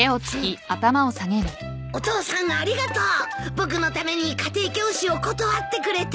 僕のために家庭教師を断ってくれて。